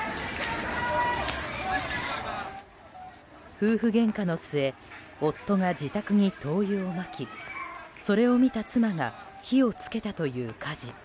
夫婦げんかの末夫が自宅に灯油をまきそれを見た妻が火を付けたという火事。